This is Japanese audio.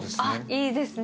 いいですね。